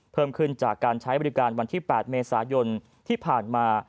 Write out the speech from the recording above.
เพิ่มขึ้นจากการใช้บริการวันที่๘เมษายนที่ผ่านมา